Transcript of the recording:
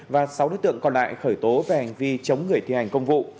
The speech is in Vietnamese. và sáu đối tượng còn lại khởi tố về hành vi chống người thi hành công vụ